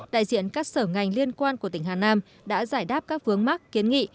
đại diện các sở ngành liên quan của tỉnh hà nam đã giải đáp các vướng mắc kiến nghị